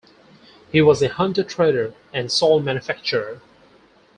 He was a hunter-trader and salt manufacturer.